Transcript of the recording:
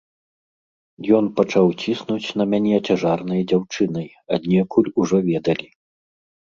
Ён пачаў ціснуць на мяне цяжарнай дзяўчынай, аднекуль ужо ведалі.